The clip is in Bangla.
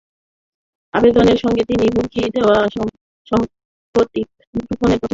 আবেদনের সঙ্গে তিনি হুমকি দেওয়া-সম্পর্কিত মুঠোফোনের কথোপকথন সিডি আকারে জমা দিয়েছেন।